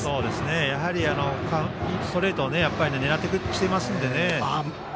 やはりストレートを狙ってきていますのでね。